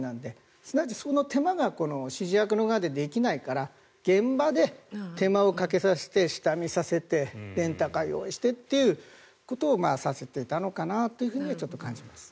すなわち、その手間が指示役側でできないから現場で手間をかけさせて下見させてレンタカー用意してということをさせていたのかなとちょっと感じます。